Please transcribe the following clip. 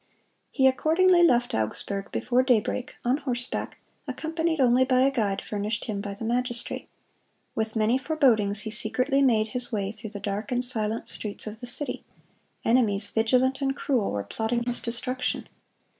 He accordingly left Augsburg before daybreak, on horseback, accompanied only by a guide furnished him by the magistrate. With many forebodings he secretly made his way through the dark and silent streets of the city. Enemies, vigilant and cruel, were plotting his destruction.